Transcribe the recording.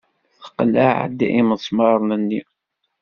Teqleɛ-d imesmaṛen-nni.